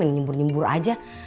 ini nyembur nyembur aja